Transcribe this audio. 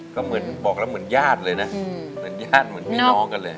ก็เหมือนบอกแล้วเหมือนญาติเลยนะเหมือนญาติเหมือนพี่น้องกันเลย